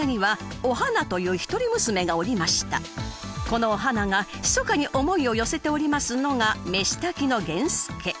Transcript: このお花が密かに思いを寄せておりますのが飯炊きの源助。